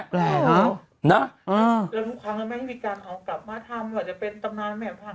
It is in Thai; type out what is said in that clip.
แล้วทุกคำมาไม้ที่กันกลับมาทำ